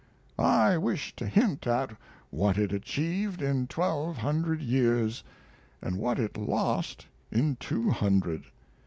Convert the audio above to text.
I wish to hint at what it achieved in twelve hundred years, and what it lost in two hundred.